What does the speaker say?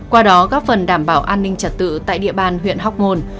qua đó góp phần đảm bảo an ninh trật tự tại địa bàn huyện hóc môn